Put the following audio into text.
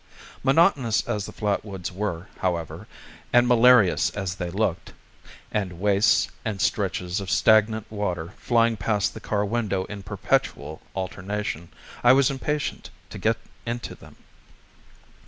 Monotonous as the flat woods were, however, and malarious as they looked, arid wastes and stretches of stagnant water flying past the car window in perpetual alternation, I was impatient to get into them.